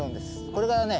これがね